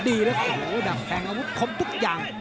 ดีเหรอดับแพงอาวุธคมทุกอย่าง